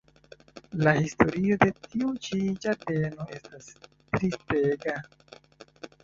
La historio de tiu ĉi ĝardeno estas tristega.